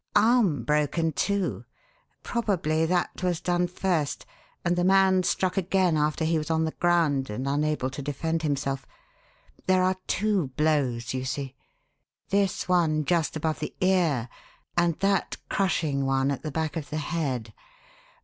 "Arm broken, too. Probably that was done first, and the man struck again after he was on the ground and unable to defend himself. There are two blows, you see: this one just above the ear, and that crushing one at the back of the head.